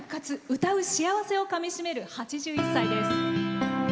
歌う幸せをかみしめる８１歳です。